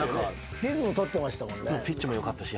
リズム取ってましたもんね。